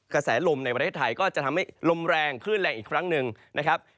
กระแสลมในประเทศไทยก็จะทำให้ลมแรงคลื่นแรงอีกครั้งหนึ่งนะครับ